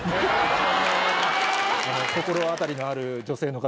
心当たりのある女性の方